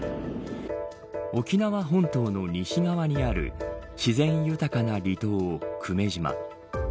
沖縄本島の西側にある自然豊かな離島、久米島。